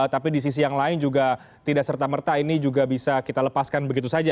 tapi di sisi yang lain juga tidak serta merta ini juga bisa kita lepaskan begitu saja